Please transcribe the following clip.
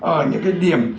ở những cái điểm